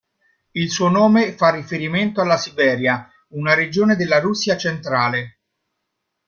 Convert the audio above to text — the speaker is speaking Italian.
Il suo nome fa riferimento alla Siberia, una regione della Russia centrale.